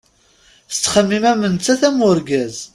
Tettxemmim am nettat am urgaz.